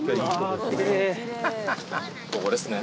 ここですね